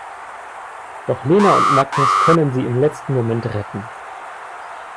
Doch Lena und Magnus können sie im letzten Moment retten.